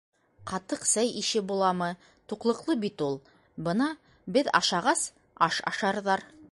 Ҡатыҡ сәй ише буламы, туҡлыҡлы бит ул. Бына беҙ ашағас, аш ашарҙар.